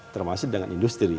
termasuk dengan industri